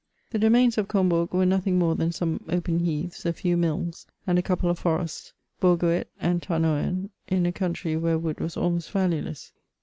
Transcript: The domains of Combourg were nothing more than some open heaths, a few miUs^ and a couple of forests, Bourgouet and Tanoem, in a country where wood was almost valueless.